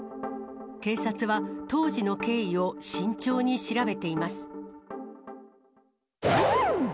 警察は、当時の経緯を慎重に調べ